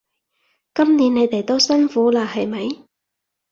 今年你哋都辛苦喇係咪？